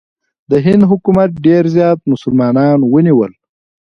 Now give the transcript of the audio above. د هند حکومت ډېر زیات مسلمانان ونیول.